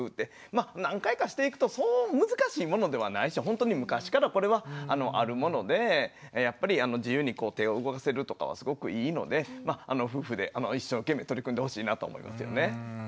まあ何回かしていくとそう難しいものではないしほんとに昔からこれはあるものでやっぱり自由に手を動かせるとかはすごくいいのでまあ夫婦で一生懸命取り組んでほしいなと思いますよね。